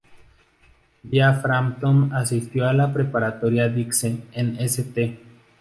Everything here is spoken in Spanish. Dia Frampton asistió a la Preparatoria Dixie en St.